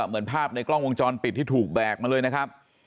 เหมือนภาพในกล้องวงจรปิดที่ถูกแบกมาเลยนะครับ